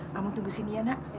kamu tunggu sini ya nak